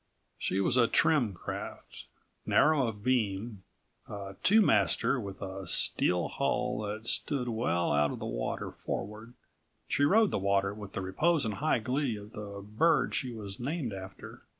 She was a trim craft. Narrow of beam, a135 two master with a steel hull that stood well out of the water forward, she rode the water with the repose and high glee of the bird she was named after.